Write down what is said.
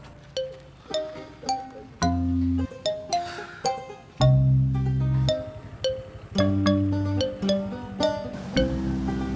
lusa desa ini harus kosong kum